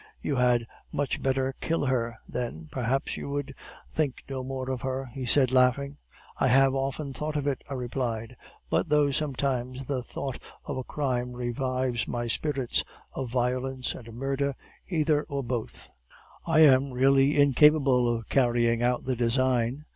"'You had much better kill her, then perhaps you would think no more of her,' he said, laughing. "'I have often thought of it,' I replied; 'but though sometimes the thought of a crime revives my spirits, of violence and murder, either or both, I am really incapable of carrying out the design.